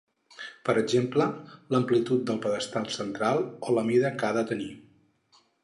Per exemple, l'amplitud del pedestal central o la mida que ha de tenir.